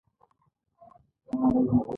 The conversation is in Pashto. انرژي وساته.